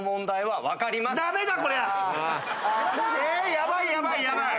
ヤバいヤバいヤバい。